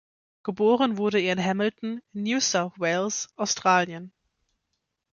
Geboren wurde er in Hamilton, New South Wales, Australien.